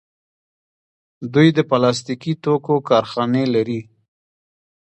دوی د پلاستیکي توکو کارخانې لري.